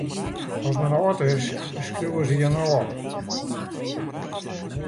Ast men âld is, skriuwe se jin ôf.